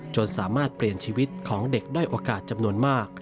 สามารถเปลี่ยนชีวิตของเด็กด้อยโอกาสจำนวนมาก